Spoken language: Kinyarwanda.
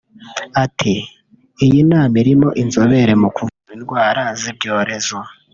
Ati″ Iyi nama irimo inzobere mu kuvura indwara z’ibyorezo